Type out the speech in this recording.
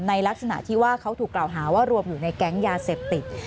ลักษณะที่ว่าเขาถูกกล่าวหาว่ารวมอยู่ในแก๊งยาเสพติด